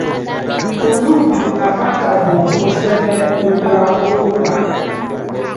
Olu de nafa ka bon kosɛbɛ Ouédraogo ko la.